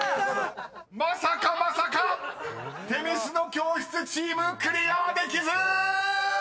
［まさかまさか女神の教室チームクリアできず！］